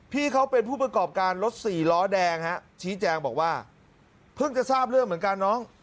พี่เขาเป็นผู้ประกอบการรถสี่ล้อแดงฮะชี้แจงบอกว่าเพิ่งจะทราบเรื่องเหมือนกันน้อง